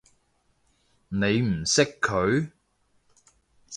你識唔識佢？